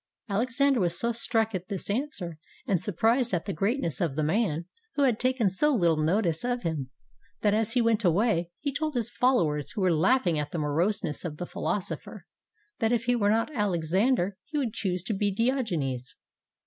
Alexander was so struck at this answer, and surprised at the greatness of the man, who had taken so little notice of him, that as he went away, he told his followers who were laughing at the moroseness of the philosopher, that if he were not Alexander, he would choose to be Diog enes.